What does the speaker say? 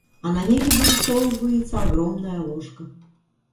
А на небе вырисовывается огромная ложка.